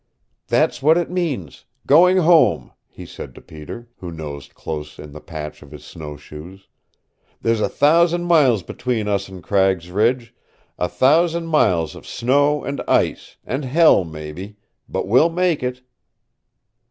"That's what it means, GOING HOME" he said to Peter, who nosed close in the path of his snowshoes. "There's a thousand miles between us and Cragg's Ridge, a thousand miles of snow and ice and hell, mebby. But we'll make it!"